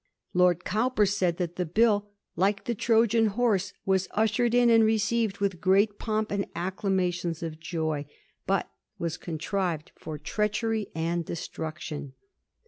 Lord Cowper said that the Bill, 'like the Trojan horse, was ushered in and received with great pomp and acclamations of joy, but was contrived for treachery and destruction.